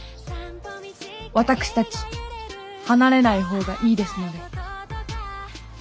私たち離れないほうがいいですので。